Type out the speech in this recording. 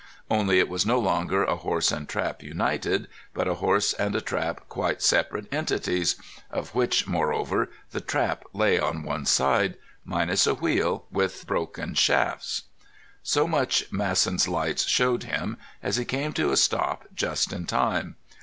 Only it was no longer a horse and trap united, but a horse and a trap quite separate entities—of which, moreover, the trap lay on one side, minus a wheel and with broken shafts. So much Masson's lights showed him as he came to a stop just in time.